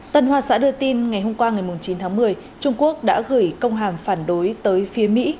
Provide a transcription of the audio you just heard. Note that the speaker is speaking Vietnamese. tân hoa xã đưa tin ngày hôm qua ngày chín tháng một mươi trung quốc đã gửi công hàm phản đối tới phía mỹ